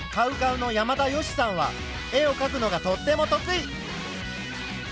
ＣＯＷＣＯＷの山田善しさんは絵をかくのがとっても得意。